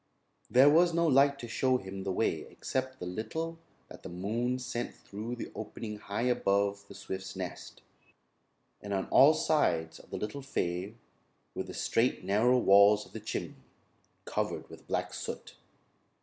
There was no light to show him the way except the little that the moon sent through the opening high above the swift's nest; and on all sides of the little fay were the straight narrow walls of the chimney, covered with black soot.